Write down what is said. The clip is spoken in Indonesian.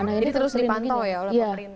jadi terus dipantau ya oleh pemerintah